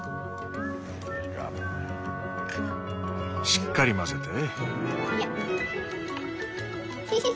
しっかり混ぜて。